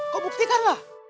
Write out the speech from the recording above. kau buktikan lah